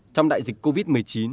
trong đại dịch covid một mươi chín